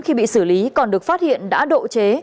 khi bị xử lý còn được phát hiện đã độ chế